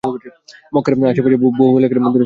মক্কার আশে-পাশে বহু এলাকার মন্দিরে ছিল।